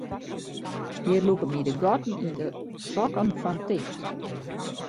Hjir lûke my de gatten yn de sokken fan ticht.